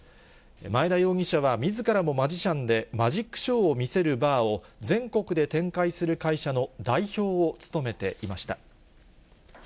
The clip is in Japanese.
前田容疑者はみずからもマジシャンで、マジックショーを見せるバーを全国で展開する会社の代表を務めていました。